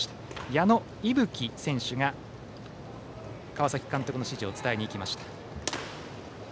矢野一武吉選手が川崎監督の指示を伝えに行きました。